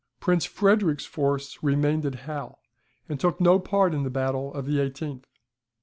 [Prince Frederick's force remained at Hal, and took no part in the battle of the 18th.